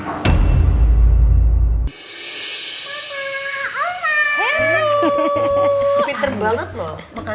tidak seperti yang saya bayangkan